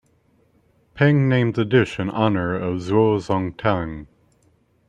Peng named the dish in honour of Zuo Zongtang.